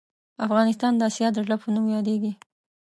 افغانستان د اسیا د زړه په نوم یادیږې